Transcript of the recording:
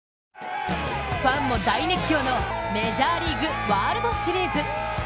ファンも大熱狂のメジャーリーグワールドシリーズ。